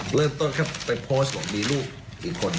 เริ่มต้นแค่ไปโพสต์ว่ามีลูกกี่คน